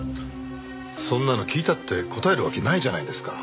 そんなの聞いたって答えるわけないじゃないですか。